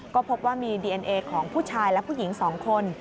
ก็พบว่ามีดีเอ็นเอของผู้ชายและผู้หญิง๒คน